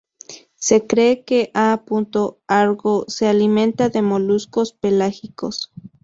Se cree que "A. argo" se alimenta de moluscos pelágicos.